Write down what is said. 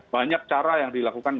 banyak cara yang dilakukan